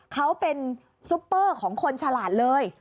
เขาเป็นซุปเปอร์ของคนฉลาดเลย